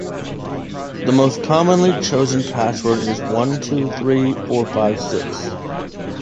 The most commonly chosen password is one two three four five six.